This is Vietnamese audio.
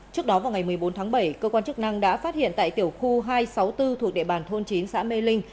trước đó vào ngày một mươi bốn tháng bảy cơ quan chức năng đã phát hiện tại tiểu khu hai trăm sáu mươi bốn thuộc địa bàn thôn chín xã mê linh